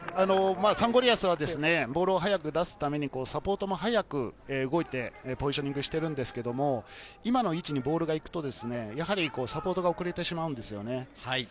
サンゴリアスはボールを早く出すためにサポートも速く動いてポジショニングしているんですけども、今の位置にボールが行くとやはりサポートが遅れてしまうんですよね。